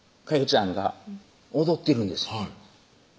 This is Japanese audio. ちゃんが踊ってるんです